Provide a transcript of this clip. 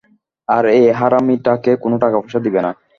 আর, এই হারামিটাকে কোনো টাকা পয়সা দিবে না।